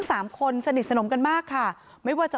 เพราะไม่เคยถามลูกสาวนะว่าไปทำธุรกิจแบบไหนอะไรยังไง